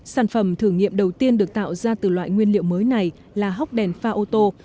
sản phẩm thử nghiệm đầu tiên được tạo ra từ loại nguyên liệu mới này là hóc đèn pha ô tô